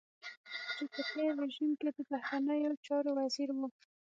چې په تېر رژيم کې د بهرنيو چارو وزير و.